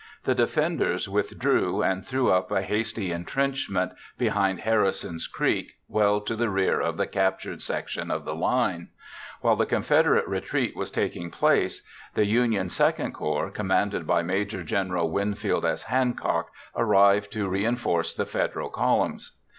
The defenders withdrew and threw up a hasty entrenchment behind Harrison's Creek, well to the rear of the captured section of the line. While the Confederate retreat was taking place, the Union II Corps, commanded by Maj. Gen. Winfield S. Hancock, arrived to reinforce the Federal columns.